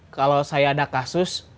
kalau saya ada kasus